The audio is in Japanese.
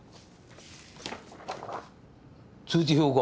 通知表か。